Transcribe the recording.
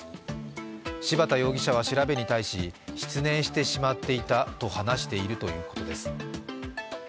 柴田容疑者は調べに対し、失念してしまっていたと話しているということです。